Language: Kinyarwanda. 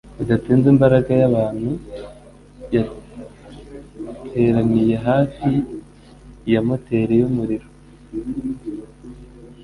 Bidatinze imbaga y'abantu yateraniye hafi ya moteri yumuriro.